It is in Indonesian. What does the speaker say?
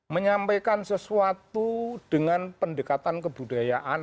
menyampaikan sesuatu dengan pendekatan kebudayaan